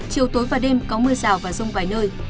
chiều tối và đêm có mưa rào và rông vài nơi